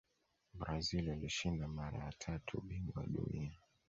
brazil walishinda mara ya tatu ubingwa wa dunia